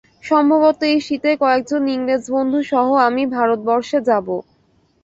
সম্ভবত এই শীতে কয়েকজন ইংরেজ বন্ধু সহ আমি ভারতবর্ষে যাব।